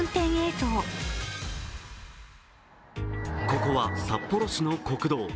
ここは札幌市の国道。